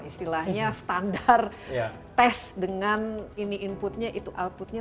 istilahnya standar tes dengan ini inputnya itu outputnya